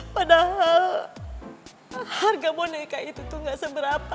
padahal harga boneka itu tuh gak seberapa